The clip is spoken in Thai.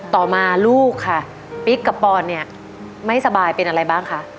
ต่อมาลูกค่ะปิ๊กกับปอนเนี่ยไม่สบายเป็นอะไรบ้างคะ